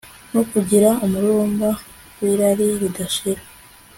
no kugira umururumba wirari ridashira